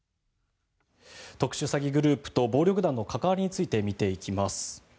特殊詐欺グループと暴力団の関わりについて見ていきます。